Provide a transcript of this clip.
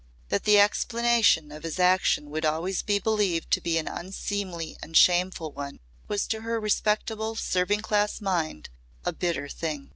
That the explanation of his action would always be believed to be an unseemly and shameful one was to her respectable serving class mind a bitter thing.